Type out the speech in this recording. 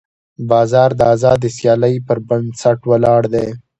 بازار د ازادې سیالۍ پر بنسټ ولاړ دی.